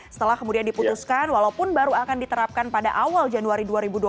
setelah kemudian diputuskan walaupun baru akan diterapkan pada awal januari dua ribu dua puluh